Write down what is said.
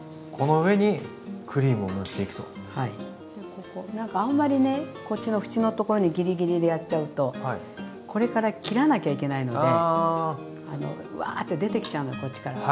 ここ何かあんまりねこっちの縁のところにギリギリでやっちゃうとこれから切らなきゃいけないのであのわって出てきちゃうのこっちから。